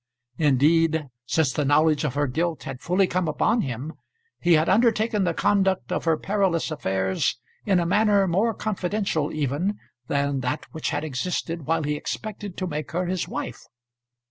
Indeed, since the knowledge of her guilt had fully come upon him, he had undertaken the conduct of her perilous affairs in a manner more confidential even than that which had existed while he expected to make her his wife.